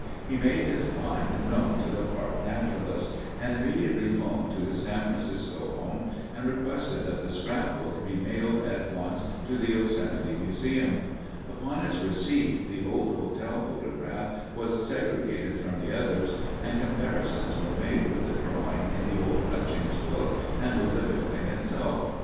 He made his find known to the park naturalist, and immediately phoned to his San Francisco home and requested that the scrapbook be mailed at once to the Yosemite Museum. Upon its receipt, the old hotel photograph was segregated from the others, and comparisons were made with the drawing in the old Hutchings book and with the building itself.